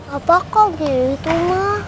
apa kok gini tuh ma